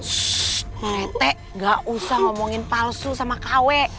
shh pak rite nggak usah ngomongin palsu sama kw